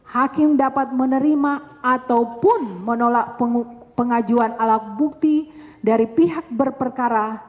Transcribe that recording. hakim dapat menerima ataupun menolak pengajuan alat bukti dari pihak berperkara